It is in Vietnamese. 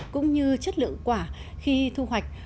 cũng như chất lượng quả khi thu hoạch